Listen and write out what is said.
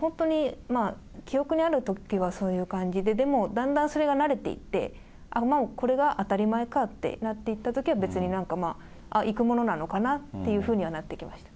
本当に記憶にあるときはそういう感じで、でもだんだんそれが慣れていって、ああ、もうこれが当たり前かってなっていったときは、あっ、行くものなのかなっていうふうにはなってました。